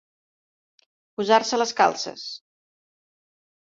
Posar-se les calces.